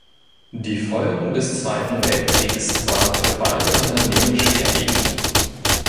Die Folgen des Zweiten Weltkriegs waren für beide Unternehmen schwerwiegend.